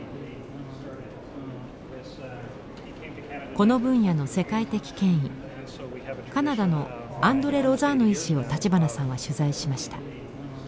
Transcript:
この分野の世界的権威カナダのアンドレ・ロザーノ医師を立花さんは取材しました。